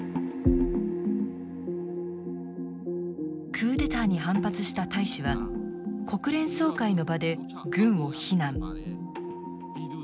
クーデターに反発した大使は国連総会の場で軍を非難。